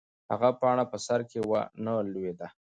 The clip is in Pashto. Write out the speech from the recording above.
هغه پاڼه چې په سر کې وه نه لوېده.